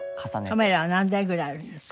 カメラは何台ぐらいあるんですか？